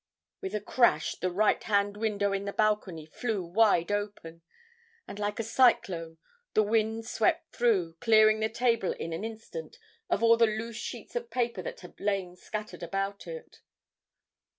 With a crash the right hand window in the balcony flew wide open, and like a cyclone, the wind swept through, clearing the table in an instant of all the loose sheets of paper that had lain scattered about it.